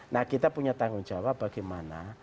nah kita punya tanggung jawab bagaimana